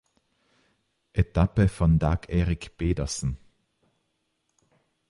Etappe von Dag Erik Pedersen.